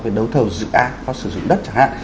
về đấu thầu dự án và sử dụng đất chẳng hạn